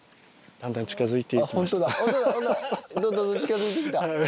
だんだん近づいてきた。